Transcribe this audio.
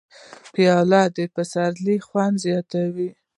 پیاله د پسرلي خوند زیاتوي.